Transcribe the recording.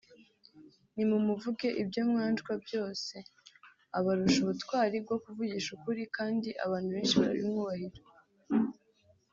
Nimumuvuge ibyo mwanjwa byose abarusha ubutwari bwo kuvugisha ukuri kandi abantu benshi barabimwubahira